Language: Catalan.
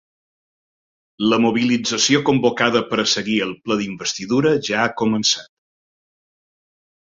La mobilització convocada per a seguir el ple d’investidura ja ha començat.